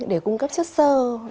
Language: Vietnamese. để cung cấp chất sơ